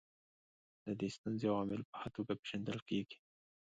د دې ستونزې عوامل په ښه توګه پېژندل کیږي.